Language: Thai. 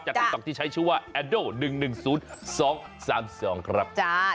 จากต่อต่อที่ใช้ชื่อว่าแอดโดหนึ่งหนึ่งศูนย์สองสามสองครับ